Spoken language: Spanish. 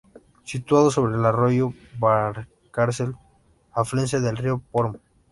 Situado sobre el Arroyo Valcárcel, afluente del río Porma.